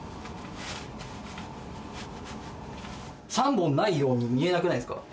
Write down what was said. ３本ないように見えなくないですか？